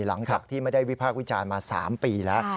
หลังจากที่ไม่ได้วิพากษ์วิจารณ์มา๓ปีแล้ว